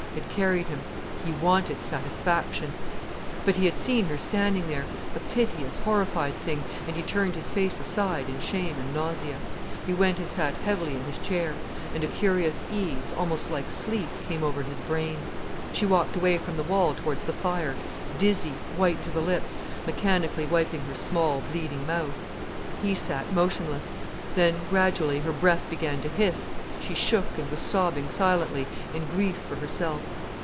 It carried him. He wanted satisfaction. But he had seen her standing there, a piteous, horrified thing, and he turned his face aside in shame and nausea. He went and sat heavily in his chair, and a curious ease, almost like sleep, came over his brain. She walked away from the wall towards the fire, dizzy, white to the lips, mechanically wiping her small, bleeding mouth. He sat motionless. Then, gradually, her breath began to hiss, she shook, and was sobbing silently, in grief for herself.